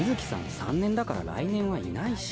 ３年だから来年はいないし。